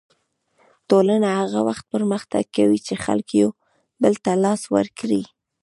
ټولنه هغه وخت پرمختګ کوي چې خلک یو بل ته لاس ورکړي.